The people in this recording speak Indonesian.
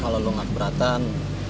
kalo lu gak keberatan